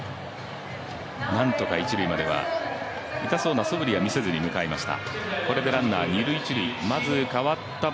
なんとか、一塁までは痛そうなそぶりは見せずに向かいました。